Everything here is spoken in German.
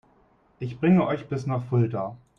Ich bringe euch bis nach Fulda